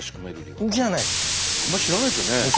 あんまり知らないですよね？